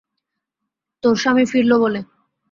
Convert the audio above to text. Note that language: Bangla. তোর স্বামী ফিরল বলে।